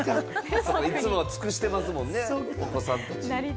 いつもは尽くしてますもんね、お子さんたちに。